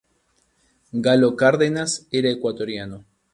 Galo Cárdenas era ecuatoriano.